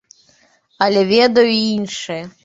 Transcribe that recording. Але ведаю і іншае.